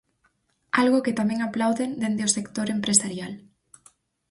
Algo que tamén aplauden dende o sector empresarial.